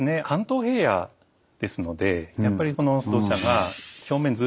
関東平野ですのでやっぱり土砂が表面